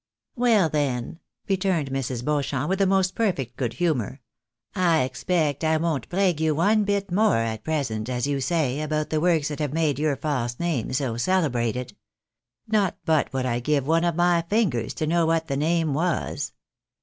" Well, then," returned Mrs. Beauchamp, with the most perfect good humour, " I expect I won't plague you one bit more at present, as you say, about the works that have made your false name so celebrated. Not but what I'd give one of my fingers to know what the name was.